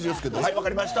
分かりました。